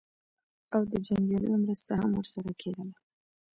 او د جنګیالیو مرسته هم ورسره کېدله.